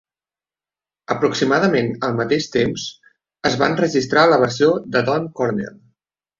Aproximadament al mateix temps, es va enregistrar la versió de Don Cornell.